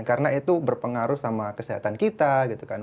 karena itu berpengaruh sama kesehatan kita gitu kan